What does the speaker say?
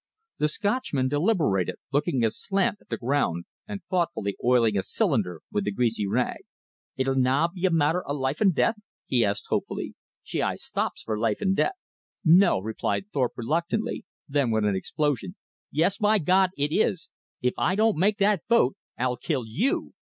The Scotchman deliberated, looking aslant at the ground and thoughtfully oiling a cylinder with a greasy rag. "It'll na be a matter of life and death?" he asked hopefully. "She aye stops for life and death." "No," replied Thorpe reluctantly. Then with an explosion, "Yes, by God, it is! If I don't make that boat, I'll kill YOU."